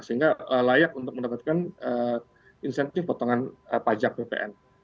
sehingga layak untuk mendapatkan insentif potongan pajak ppn